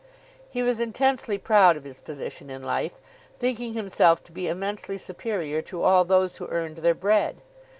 He was intensely proud of his position in life, thinking himself to be immensely superior to all those who earned their bread.